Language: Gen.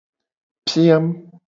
Piam.